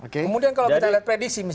kemudian kalau kita lihat prediksi